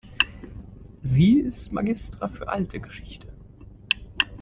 Sie ist Magistra für Alte Geschichte.